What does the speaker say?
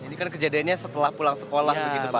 ini kan kejadiannya setelah pulang sekolah begitu pak